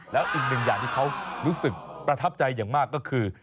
แล้วอีกหนึ่งอย่างที่เขารู้สึกประทับใจอย่างมากก็คือ